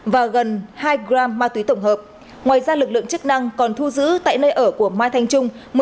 và gần hai gram ma túy tổng hợp ngoài ra lực lượng chức năng còn thu giữ tại nơi ở của mai thanh trung